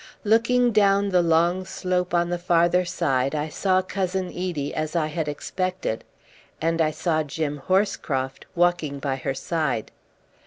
Looking down the long slope of the farther side, I saw Cousin Edie, as I had expected; and I saw Jim Horscroft walking by her side.